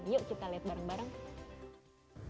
yuk kita lihat bareng bareng